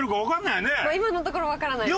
今のところわからない。